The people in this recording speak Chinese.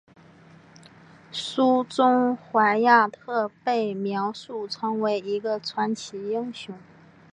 书中怀亚特被描述成为一个传奇英雄。